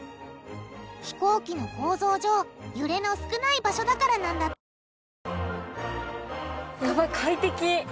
飛行機の構造上揺れの少ない場所だからなんだってやばい快適。